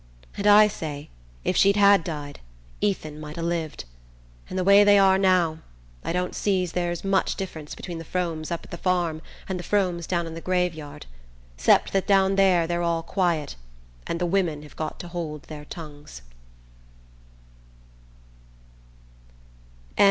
And I say, if she'd ha' died, Ethan might ha' lived; and the way they are now, I don't see's there's much difference between the Fromes up at the farm and the Fromes down in the graveyard; 'cept that down there they're all quiet, and the women have got to hold their tongues."